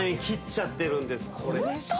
切っちゃってるんです。